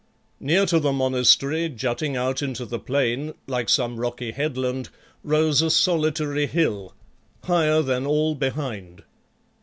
"Near to the monastery, jutting out into the plain like some rocky headland, rose a solitary hill, higher than all behind.